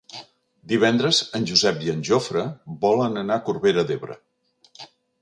Divendres en Josep i en Jofre volen anar a Corbera d'Ebre.